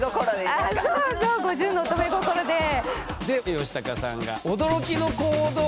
ヨシタカさんが驚きの行動を取ったと。